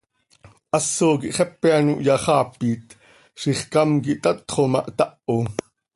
Haso quih xepe ano hyaxaapit, zixcám quih tatxo ma, htaho.